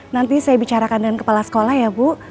nanti saya bicarakan dengan kepala sekolah ya bu